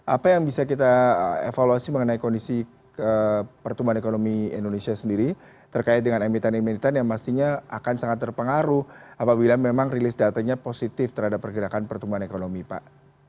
apa yang bisa kita evaluasi mengenai kondisi pertumbuhan ekonomi indonesia sendiri terkait dengan emiten emiten yang pastinya akan sangat terpengaruh apabila memang rilis datanya positif terhadap pergerakan pertumbuhan ekonomi pak